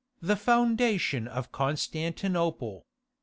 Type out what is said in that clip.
THE FOUNDATION OF CONSTANTINOPLE.